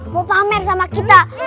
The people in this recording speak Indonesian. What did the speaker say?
mau pamer sama kita